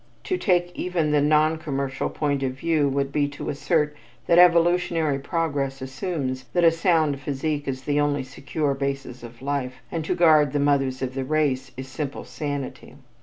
To take even the non commercial point of view would be to assert that evolutionary progress assumes that a sound physique is the only secure basis of life, and to guard the mothers of the race is simple sanity.